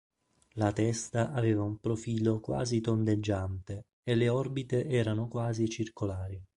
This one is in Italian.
La testa aveva un profilo quasi tondeggiante, e le orbite erano quasi circolari.